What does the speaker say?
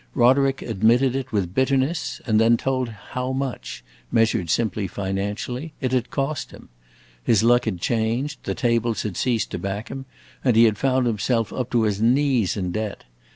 Roderick admitted it with bitterness, and then told how much measured simply financially it had cost him. His luck had changed; the tables had ceased to back him, and he had found himself up to his knees in debt.